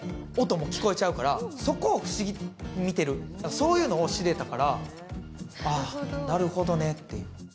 そういうのを知れたから、ああ、なるほどねって。